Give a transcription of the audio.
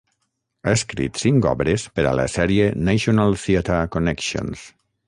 Ha escrit cinc obres per a la sèrie National Theatre Connections.